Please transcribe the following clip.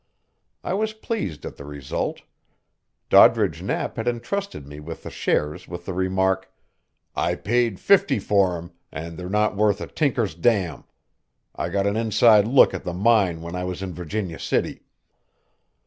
I was pleased at the result. Doddridge Knapp had intrusted me with the shares with the remark, "I paid fifty for 'em and they're not worth a tinker's dam. I got an inside look at the mine when I was in Virginia City.